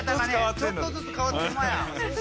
ちょっとずつ変わってんだぜ。